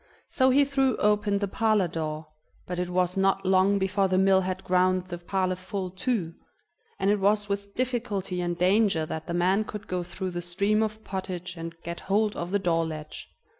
So he threw open the parlor door, but it was not long before the mill had ground the parlor full too, and it was with difficulty and danger that the man could go through the stream of pottage and get hold of the door latch.